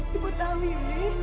ibu tahu juli